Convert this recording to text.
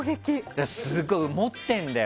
だから、すごい持ってるんだよ。